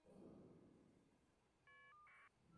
Conexión a WiFi y aparcamiento gratuito.